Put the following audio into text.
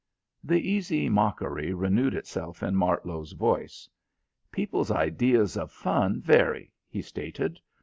The easy mockery renewed itself in Martlow's voice. "People's ideas of fun vary," he stated.